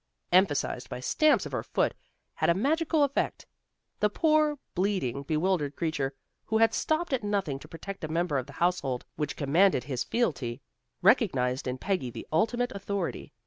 emphasized by stamps of her foot had a magical effect. The poor, bleeding, bewildered creature, who had stopped at nothing to protect a member of the household which commanded his fealty, recognized in Peggy the ultimate authority.